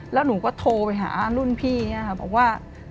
แล้วหนูก็โทรไปหารุ่นพี่เนี่ยค่ะบอกว่า